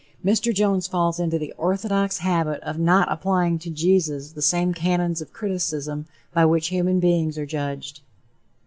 Mr. Jones falls into the orthodox habit of not applying to Jesus the same canons of criticism by which human beings are judged.